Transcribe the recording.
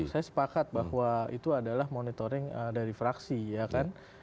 saya sepakat bahwa itu adalah monitoring dari fraksi ya kan